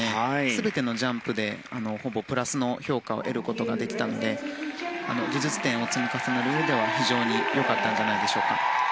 全てのジャンプでほぼプラスの評価を得ることができたので技術点を積み重ねるうえでは非常に良かったのではないでしょうか。